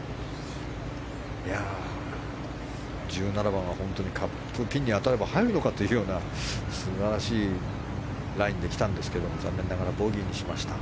１７番は本当にピンに当たれば入るかというような素晴らしいラインで来たんですが残念ながらボギーにしました。